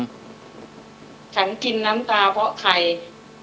ฉันกินน้ำตาเพราะใคร